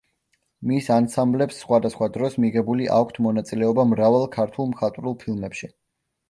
მის ანსამბლებს, სხვადასხვა დროს, მიღებული აქვთ მონაწილეობა მრავალ ქართულ მხატვრულ ფილმებში.